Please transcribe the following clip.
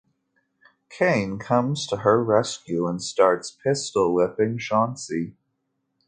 Caine comes to her rescue and starts pistol-whipping Chauncey.